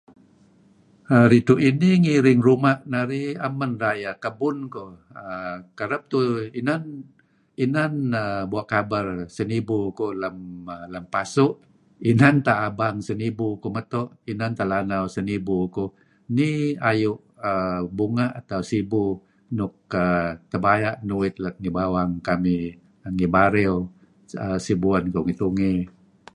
Ridtu' inih iring ruma narih, naem man rayeyh kebun koh kereb tuih uhm inan inan nah Bua Kaber sinibu kuh lem pasu' inn tah Abang sinibu kuh meto', inan teh lLanau snibu kuh Nih ayu; bunga; atau sibu nuk tabaya lat ngi bawang kamih ngi Bario, sibuen kuh ngi tungey.